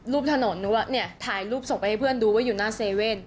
ถนนหนูว่าเนี่ยถ่ายรูปส่งไปให้เพื่อนดูว่าอยู่หน้าเซเว่น